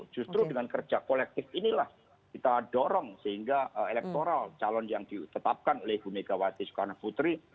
justru dengan kerja kolektif inilah kita dorong sehingga elektoral calon yang ditetapkan oleh ibu megawati soekarno putri